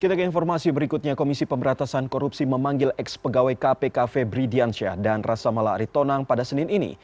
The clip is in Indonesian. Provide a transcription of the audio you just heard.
kita ke informasi berikutnya komisi pemberatasan korupsi memanggil ex pegawai kpk febri diansyah dan rasa mala aritonang pada senin ini